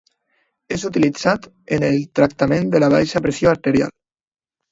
És utilitzat en el tractament de la baixa pressió arterial.